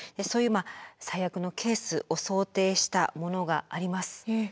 そういう最悪のケースを想定したものがあります。